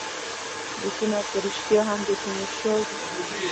لیکونه په ریشتیا هم د تیمورشاه وي.